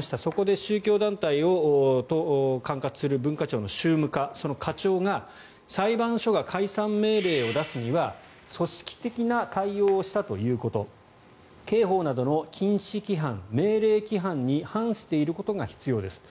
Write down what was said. そこで宗教団体を管轄する宗務課その課長が裁判所が解散命令を出すには組織的な対応をしたということ刑法などの禁止規範・命令規範に反していることが必要です。